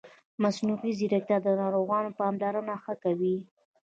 مصنوعي ځیرکتیا د ناروغانو پاملرنه ښه کوي.